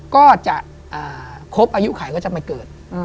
ก็จะครบอายุไขก็จะมาเกิด